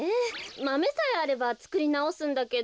マメさえあればつくりなおすんだけど。